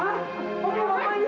apa itu ma itu